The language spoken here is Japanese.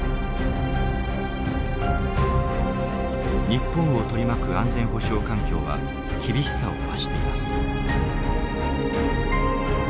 日本を取り巻く安全保障環境は厳しさを増しています。